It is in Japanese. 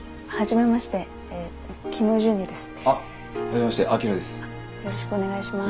よろしくお願いします。